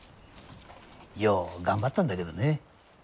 よう頑張ったんだけどね。